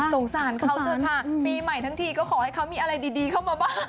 สงสารเขาเถอะค่ะปีใหม่ทั้งทีก็ขอให้เขามีอะไรดีเข้ามาบ้าง